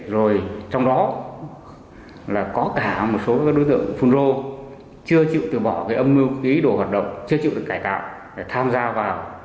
rồi trong đó là có cả một số đối tượng phun rô chưa chịu từ bỏ âm mưu ý đồ hoạt động chưa chịu được cải tạo để tham gia vào